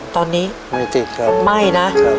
ตอนนี้ไม่ติดครับไม่นะ